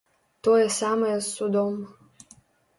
Тое самае з судом.